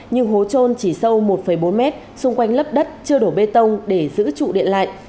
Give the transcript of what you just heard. nhưng hố trôn chỉ sâu một bốn mét xung quanh lớp đất chưa đổ bê tông để giữ trụ điện lại